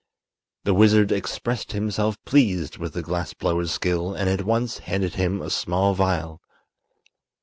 The wizard expressed himself pleased with the glass blower's skill and at once handed him a small vial.